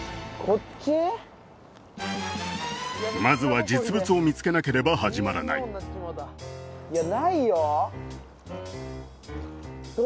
まずは実物を見つけなければ始まらないいやないよ